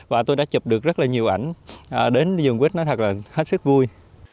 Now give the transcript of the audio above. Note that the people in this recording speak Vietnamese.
và tôi đã chụp được rất là nhiều ảnh đến vườn quýt nó thật là hết sức vui